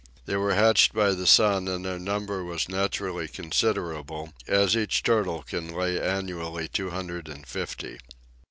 They were hatched by the sun, and their number was naturally considerable, as each turtle can lay annually two hundred and fifty.